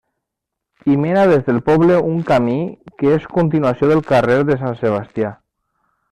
Hi mena des del poble un camí que és continuació del carrer de Sant Sebastià.